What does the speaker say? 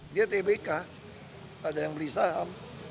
dia tbk ada yang beli saham